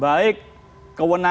dahirya tidak ada ini